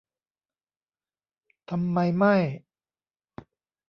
ทำไมไม่